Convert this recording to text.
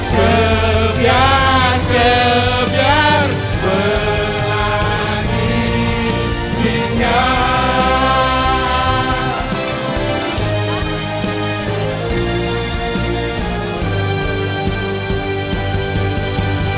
gebiar gebiar pelagi cinggah